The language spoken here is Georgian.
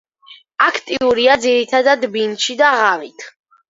აქტიურია ძირითადად ბინდში და ღამით.